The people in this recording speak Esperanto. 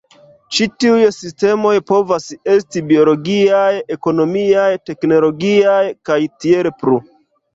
Ĉi tiuj sistemoj povas esti biologiaj, ekonomiaj, teknologiaj, kaj tiel plu.